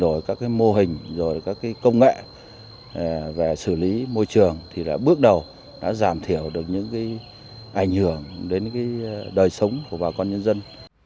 rồi các mô hình rồi các công nghệ về xử lý môi trường thì đã bước đầu đã giảm thiểu được những ảnh hưởng đến đời sống của bà con nhân dân